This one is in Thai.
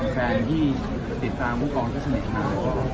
แฟนที่ติดตามท์ปรูกคลองก็ฉนะอยู่มา